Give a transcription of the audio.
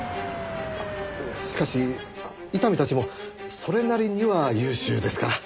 しかし伊丹たちもそれなりには優秀ですから。